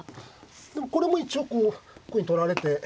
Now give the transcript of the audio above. でもこれも一応こうこういうふうに取られて。